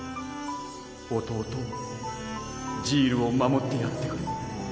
弟をジールを守ってやってくれ。